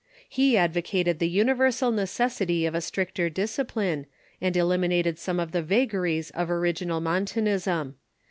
He advocated the universal necessity of a stricter discipline, and eliminated some of the vagaries of original Montanism.